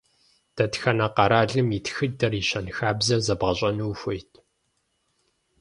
Дэтхэнэ къэралым и тхыдэр и щэнхабзэр зэбгъэщӏэну ухуейт?